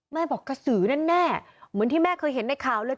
แม่บอกกระสือแน่เหมือนที่แม่เคยเห็นในข่าวเลย